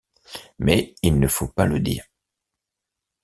Mais il ne faut pas le dire.